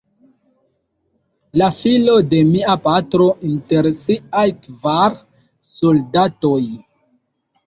La filo de mia patro, inter siaj kvar soldatoj.